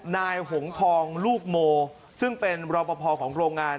หงทองลูกโมซึ่งเป็นรอปภของโรงงาน